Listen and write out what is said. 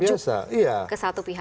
merujuk ke satu pihak